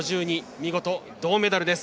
見事、銅メダルです。